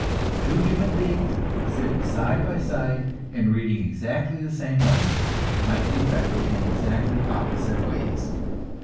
Two human beings, sitting side by side and reading exactly the same letters, might be affected in exactly opposite ways.